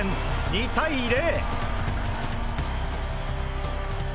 ２対０！